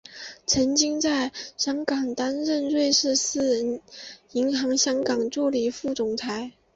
曾经在香港担任瑞士私人银行香港助理副总裁。